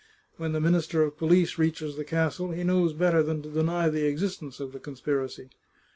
When the Minister of Police reaches the castle he knows better than to deny the existence of the con spiracy.